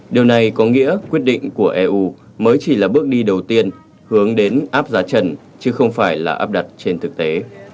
điều này có nghĩa quyết định của eu mới chỉ là bước đi đầu tiên hướng đến áp giá trần chứ không phải là áp đặt trên thực tế